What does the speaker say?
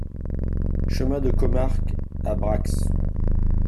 Chemin de Commarque à Brax